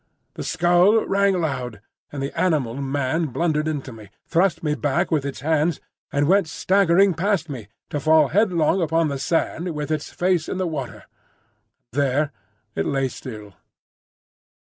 The skull rang loud, and the animal man blundered into me, thrust me back with its hands, and went staggering past me to fall headlong upon the sand with its face in the water; and there it lay still.